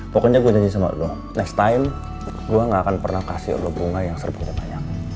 pokoknya gue janji sama lo next time gue gak akan pernah kasih lo bunga yang serbuknya banyak